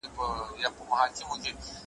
ورته بند یې کړله نس ته خپل ښکرونه ,